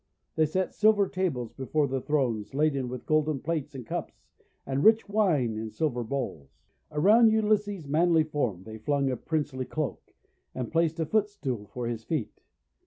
They set silver tables before the thrones, laden with golden plates and cups, and rich wine in silver bowls. Around Ulysses' manly form they flung a princely cloak, and placed a foot stool for his feet.